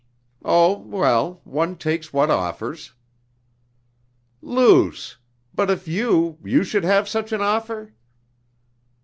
"Oh, well! One takes what offers!" "Luce! but if you, you should have such an offer?..."